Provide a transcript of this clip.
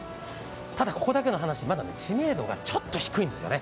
ただ、ここだけの話、まだ知名度がちょっと低いんですよね。